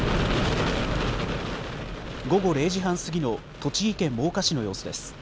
午後０時半過ぎの栃木県真岡市の様子です。